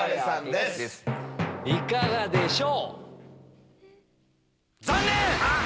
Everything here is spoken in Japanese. いかがでしょう？